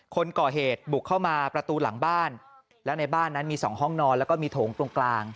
คนก่อเหตุบุกเข้ามาประตูหลังบ้านแล้วในบ้านนั้นมีสองห้องนอนแล้วก็มีโถงตรงกลาง